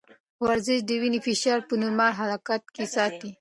ورزش د وینې فشار په نورمال حالت کې ساتي.